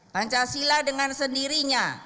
pancasila dengan sendirinya